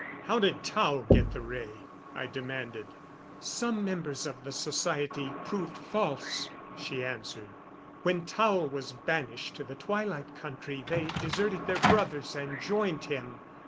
"How did Tao get the ray?" I demanded. "Some members of the society proved false," she answered. "When Tao was banished to the Twilight Country they deserted their brothers and joined him.